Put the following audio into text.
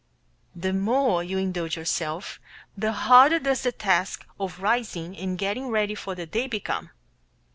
The more you indulge yourself, the harder does the task of rising and getting ready for the day become.